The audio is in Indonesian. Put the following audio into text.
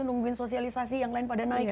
nungguin sosialisasi yang lain pada naik